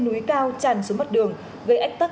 núi cao tràn xuống mặt đường gây ách tắc